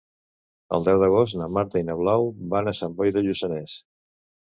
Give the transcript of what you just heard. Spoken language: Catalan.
El deu d'agost na Marta i na Blau van a Sant Boi de Lluçanès.